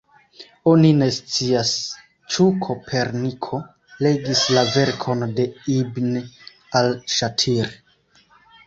Oni ne scias ĉu Koperniko legis la verkon de ibn al-Ŝatir.